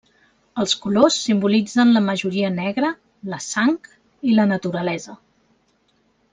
Els colors simbolitzen la majoria negra, la sang i la naturalesa.